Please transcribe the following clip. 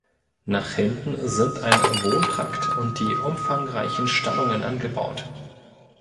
Nach hinten sind ein Wohntrakt und die umfangreichen Stallungen angebaut.